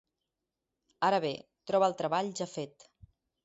Ara bé, troba el treball ja fet.